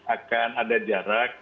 akan ada jarak